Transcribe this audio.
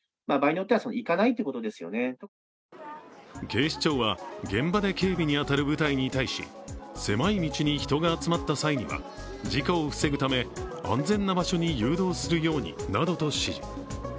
警視庁は現場で警備に当たる部隊に対し狭い道に人が集まった際には、事故を防ぐため安全な場所に誘導するようになどと指示。